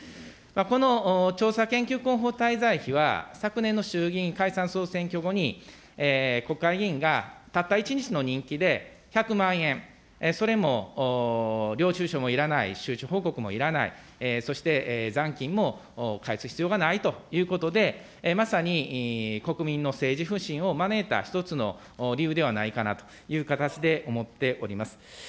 この調査研究広報滞在費は、昨年の衆議院解散・総選挙後に、国会議員がたった１日の任期で１００万円、それも領収書もいらない、収支報告もいらない、そして残金も返す必要がないということで、まさに国民の政治不信を招いた１つの理由ではないかなという形で思っております。